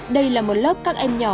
đây là lớp táo